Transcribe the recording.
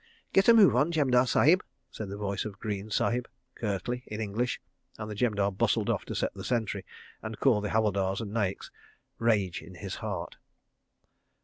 .. "Get a move on, Jemadar Sahib," said the voice of Greene Sahib curtly, in English, and the Jemadar bustled off to set the sentry and call the Havildars and Naiks—rage in his heart.